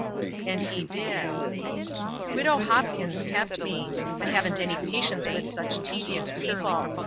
And he did: "Widow Hopkins kept me I haven't any patience with such tedious people.